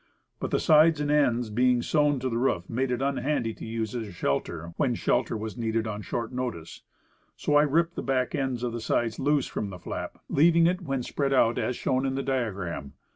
But, the sides and ends being sewed to the roof made it unhandy to use as a shelter, when shelter was needed on short notice. So I ripped the back ends of the sides loose from the flap, leaving it, when spread out, as shown in the diagram.